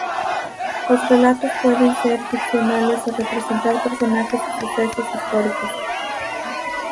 Los relatos pueden ser ficcionales o representar personajes o sucesos históricos.